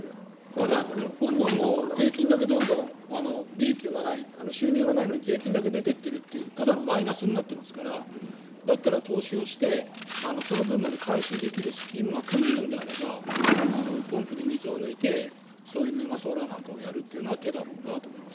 ただ、本人も税金だけどんどん利益を生まない収入がないのに税金だけ出てってるっていうただのマイナスになってますからだったら、投資をしてその分まで回収できるスキームが組めるのであればポンプで水を抜いてそういうメガソーラーなんかをやるというのは手だと思います。